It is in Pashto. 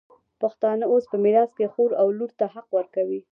پښتانه اوس په میراث کي خور او لور ته حق ورکوي.